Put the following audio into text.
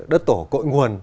đất tổ cội nguồn